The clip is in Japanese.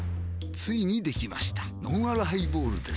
ついにできましたのんあるハイボールです